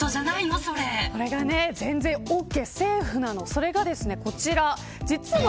それが全然ＯＫセーフなのそれがこちら。